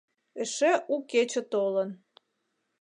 Эше у кече толын.